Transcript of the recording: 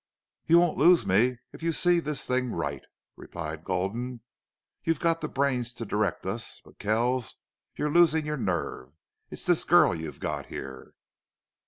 "You won't lose me if you see this thing right," replied Gulden. "You've got the brains to direct us. But, Kells, you're losing your nerve.... It's this girl you've got here!"